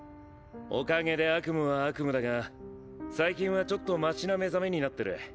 おかげで悪夢は悪夢だが最近はちょっとマシな目覚めになってる。